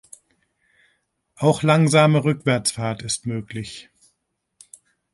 Auch langsame Rückwärtsfahrt ist möglich.